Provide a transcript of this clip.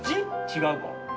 違うか。